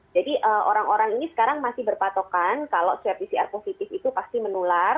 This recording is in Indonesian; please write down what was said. jadi orang orang ini sekarang masih berpatokan kalau swab pcr positif itu pasti mendulung